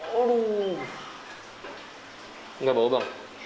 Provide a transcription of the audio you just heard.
tidak bau bang